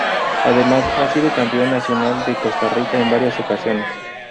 Además ha sido campeón nacional de Costa Rica en varias ocasiones.